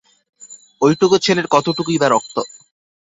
ওইটুকু ছেলের কতটুকুই বা রক্ত।